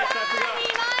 ２万円